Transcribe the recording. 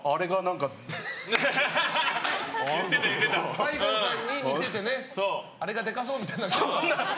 西郷さんに似ててねあれがデカそうみたいな。